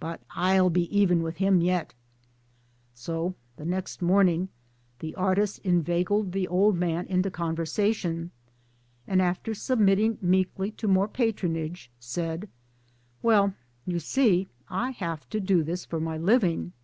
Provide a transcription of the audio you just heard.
But I'll be even with him yet !") So the next morning the artist inveigled the old man into conversation, and after submitting meekly to more patronage, said :" Well you see I have to do this for my living."